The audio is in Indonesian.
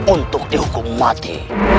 untuk dihukum mati